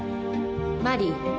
マリー。